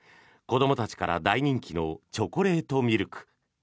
子どもたちから大人気のチョコレートミルク。